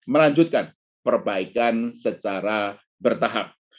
melanjutkan perbaikan secara bertahap